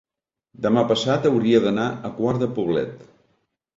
Demà passat hauria d'anar a Quart de Poblet.